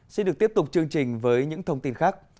xin được tiếp tục chương trình với những thông tin khác